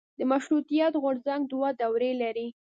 د مشروطیت غورځنګ دوه دورې لري.